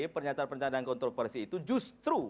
pernyataan pernyataan kontroversi itu justru